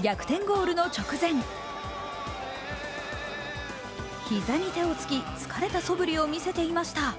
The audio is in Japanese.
逆転ゴールの直前膝に手をつき、疲れた素振りを見せていました。